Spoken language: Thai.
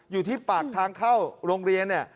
อยู่ที่ปากทางเข้าโรงเรียน